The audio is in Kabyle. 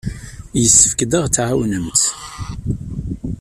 Yessefk ad aɣ-tɛawnemt.